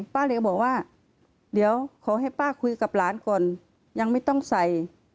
เลยบอกว่าเดี๋ยวขอให้ป้าคุยกับหลานก่อนยังไม่ต้องใส่